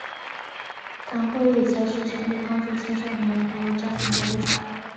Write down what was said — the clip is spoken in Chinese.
党会议采取强烈帮助青少年和家庭的立场。